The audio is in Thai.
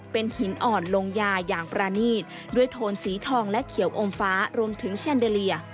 เป็นหินอ่อนลงยาอย่างประนีตด้วยโทนสีทองและเขียวอมฟ้ารวมถึงแชนเดอเรีย